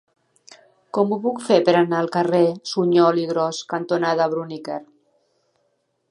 Com ho puc fer per anar al carrer Suñol i Gros cantonada Bruniquer?